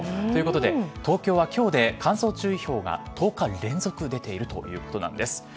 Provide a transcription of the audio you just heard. ２９％。ということで東京は今日で乾燥注意報が１０日連続出ているということなんです。